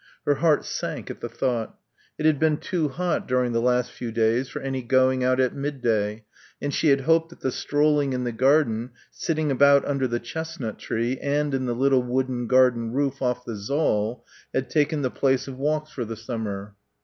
Her heart sank at the thought. It had been too hot during the last few days for any going out at midday, and she had hoped that the strolling in the garden, sitting about under the chestnut tree and in the little wooden garden room off the saal had taken the place of walks for the summer.